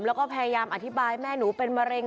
แล้วก็พยายามอธิบายแม่หนูเป็นมะเร็ง